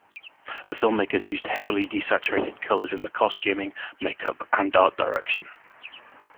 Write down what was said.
The filmmakers used heavily desaturated colors in the costuming, makeup, and art direction.